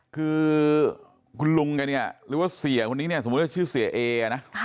คือคุณลุงแกเนี่ยหรือว่าเสียคนนี้เนี่ยสมมุติว่าชื่อเสียเอนะ